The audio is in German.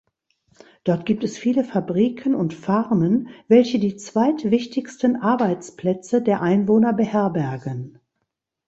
Dort gibt es viele Fabriken und Farmen, welche die zweitwichtigsten Arbeitsplätze der Einwohner beherbergen.